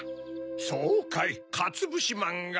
・そうかいかつぶしまんが。